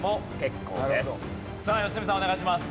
さあ良純さんお願いします。